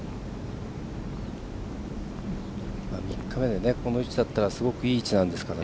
３日目でこの位置だったらすごくいい位置ですから。